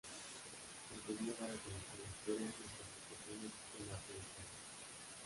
Pretendía dar a conocer la historia, las instituciones y el arte de Italia.